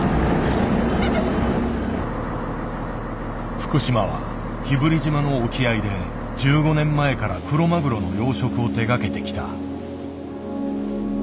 福島は日振島の沖合で１５年前からクロマグロの養殖を手がけてきた。